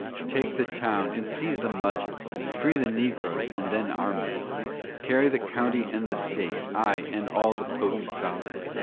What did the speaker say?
"Take the town, and seize the muskets, free the negroes and then arm them; Carry the County and the State, ay, and all the potent South.